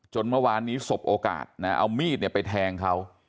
เมื่อวานนี้สบโอกาสนะเอามีดไปแทงเขา